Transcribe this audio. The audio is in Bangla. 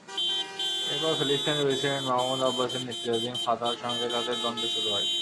এরপর ফিলিস্তিনের প্রেসিডেন্ট মাহমুদ আব্বাসের নেতৃত্বাধীন ফাতাহর সঙ্গে তাদের দ্বন্দ্ব শুরু হয়।